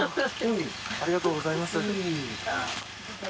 ありがとうございます。